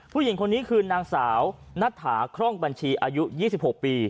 ผู้หญิงคนนี้คือนางสาวนัทถาคร่องบัญชีอายุ๒๖ปี